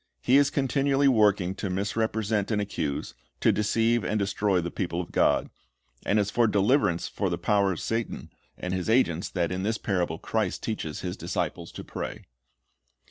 ^ He is continually working to misrepresent and accuse, to deceive and destroy the people of God. And it is for deliverance from the power of Satan and his agents that in this parable Christ teaches His disciples to pray.